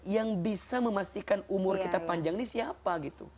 yang bisa memastikan umur kita panjang ini siapa gitu